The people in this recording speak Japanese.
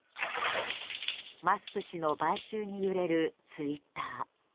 マスク氏の買収に揺れるツイッター。